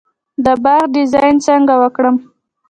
د باغ ډیزاین څنګه وکړم؟